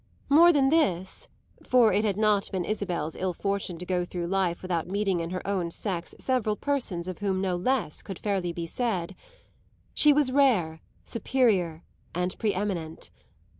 More than this (for it had not been Isabel's ill fortune to go through life without meeting in her own sex several persons of whom no less could fairly be said), she was rare, superior and preeminent.